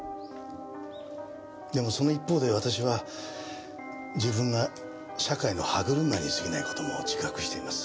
でもその一方で私は自分が社会の歯車にすぎない事も自覚しています。